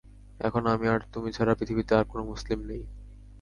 এখন আমি আর তুমি ছাড়া পৃথিবীতে আর কোন মুসলিম নেই।